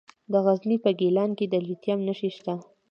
د غزني په ګیلان کې د لیتیم نښې شته.